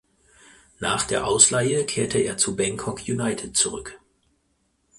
Nach der Ausleihe kehrte er zu Bangkok United zurück.